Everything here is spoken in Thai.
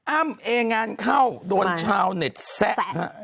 อ้ำเองานเข้าโดนชาวเน็ตแซะฮะ